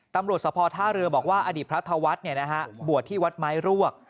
ตำรวจสภท่าเรือบอกว่าอดีตพระธวรรษบวชที่วัดไม้รวก